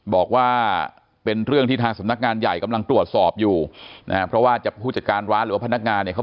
บอกว่าเป็นเรื่องที่ทางสำนักงานใหญ่กำลังตรวจสอบอยู่นะฮะเพราะว่าผู้จัดการร้านหรือว่าพนักงานเนี่ยเขา